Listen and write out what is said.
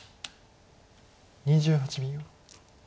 ２８秒。